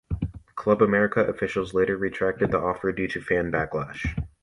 Club America officials later retracted the offer due to fan backlash.